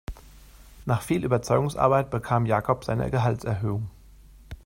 Nach viel Überzeugungsarbeit bekam Jakob seine Gehaltserhöhung.